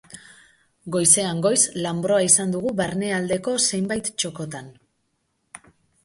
Goizean goiz lanbroa izan dugu barnealdeko zenbait txokotan.